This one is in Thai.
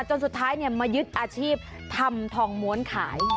จนสุดท้ายมายึดอาชีพทำทองม้วนขาย